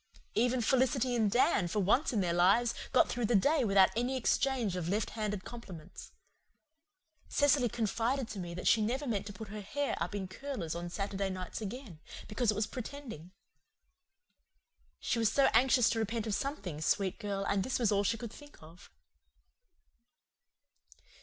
Even Felicity and Dan, for once in their lives, got through the day without any exchange of left handed compliments. Cecily confided to me that she never meant to put her hair up in curlers on Saturday nights again, because it was pretending. She was so anxious to repent of something, sweet girl, and this was all she could think of.